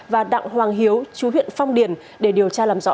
và đặng hoàng hiếu chú huyện phong điền để điều tra làm rõ